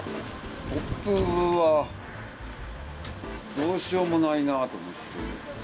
突風はどうしようもないなと思って。